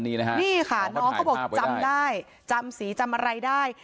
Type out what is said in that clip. นี่นะฮะนี่ค่ะน้องเขาบอกจำได้จำสีจำอะไรได้